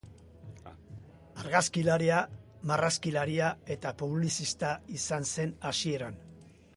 Argazkilaria, marrazkilaria eta publizista izan zen hasieran.